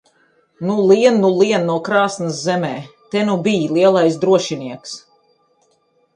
Nu, lien nu lien no krāsns zemē! Te nu bij lielais drošinieks!